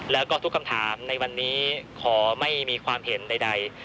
แล้วก็ทุกคำถามในวันนี้ขอไม่มีความเห็นใด